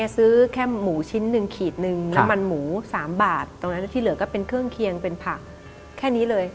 ซื้อแค่หมูชิ้นหนึ่งขีดหนึ่งน้ำมันหมู๓บาทตรงนั้นที่เหลือก็เป็นเครื่องเคียงเป็นผักแค่นี้เลย